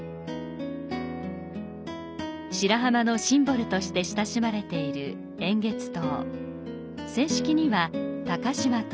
白浜のシンボルとして親しまれている円月島。